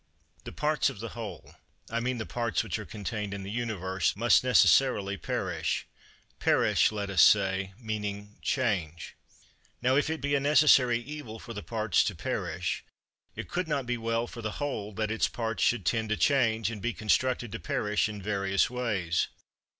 7. The parts of the whole, I mean the parts which are contained in the Universe, must necessarily perish; "perish," let us say, meaning change. Now, if it be a necessary evil for the parts to perish, it could not be well for the whole that its parts should tend to change and be constructed to perish in various ways.